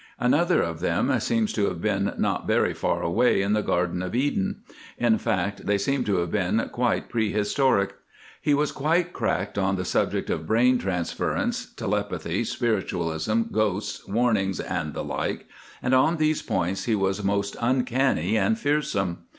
Another of them seems to have been not very far away in the Garden of Eden. In fact, they seem to have been quite prehistoric. He was quite cracked on the subject of brain transference, telepathy, spiritualism, ghosts, warnings, and the like, and on these points he was most uncanny and fearsome.